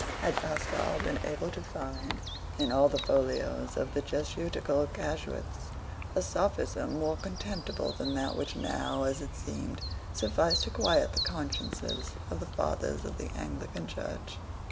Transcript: Had Pascal been able to find, in all the folios of the Jesuitical casuists, a sophism more contemptible than that which now, as it seemed, sufficed to quiet the consciences of the fathers of the Anglican Church?